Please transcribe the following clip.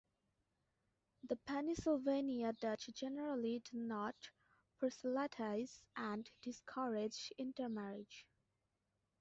The Pennsylvania Dutch generally do not proselytize and discourage intermarriage.